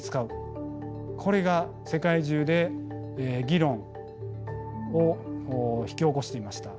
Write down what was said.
これが世界中で議論を引き起こしていました。